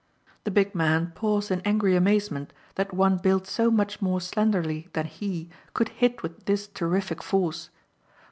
The big man paused in angry amazement that one built so much more slenderly than he could hit with this terrific force.